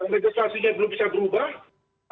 legislasinya belum bisa berubah